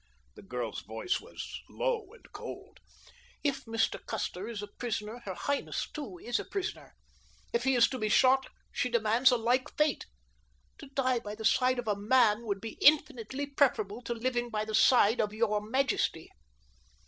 The girl's voice was low and cold. "If Mr. Custer is a prisoner, her highness, too, is a prisoner. If he is to be shot, she demands a like fate. To die by the side of a MAN would be infinitely preferable to living by the side of your majesty."